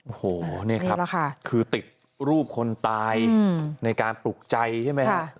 โอ้โหนี่ครับคือติดรูปคนตายในการปลุกใจใช่ไหมครับ